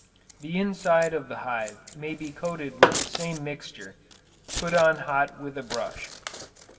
The inside of the hive may be coated with the same mixture, put on hot with a brush.